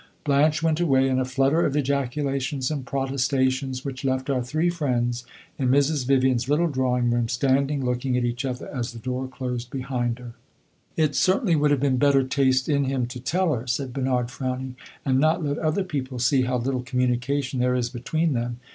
Blanche went away in a flutter of ejaculations and protestations which left our three friends in Mrs. Vivian's little drawing room standing looking at each other as the door closed behind her. "It certainly would have been better taste in him to tell her," said Bernard, frowning, "and not let other people see how little communication there is between them.